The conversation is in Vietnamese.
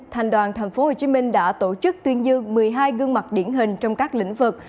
thành đoàn tp hcm đã tổ chức tuyên dương một mươi hai gương mặt điển hình trong các lĩnh vực